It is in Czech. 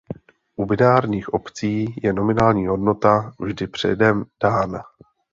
U binárních opcí je nominální hodnota vždy předem dána.